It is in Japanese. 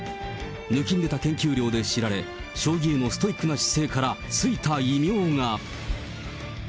抜きん出た研究量で知られ、将棋へのストイックな姿勢から、付いた異名が。